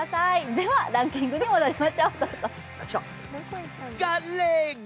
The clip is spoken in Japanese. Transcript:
ではランキングに戻りましょう、どうぞ。